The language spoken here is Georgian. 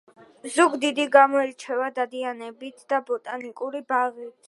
ზუგდიდი გამოირჩევა დადიანებით და ბოტანიკური ბაღით